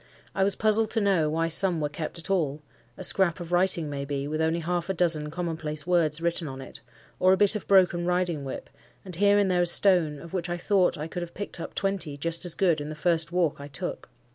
I was puzzled to know why some were kept at all; a scrap of writing maybe, with only half a dozen common place words written on it, or a bit of broken riding whip, and here and there a stone, of which I thought I could have picked up twenty just as good in the first walk I took.